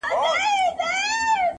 په حيرت حيرت پاچا ځان ته كتله،